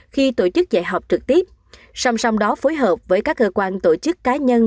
khi tổ chức dạy học trực tiếp song song đó phối hợp với các cơ quan tổ chức cá nhân